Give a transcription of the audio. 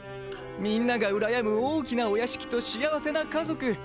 みんながうらやむ大きなおやしきと幸せな家族。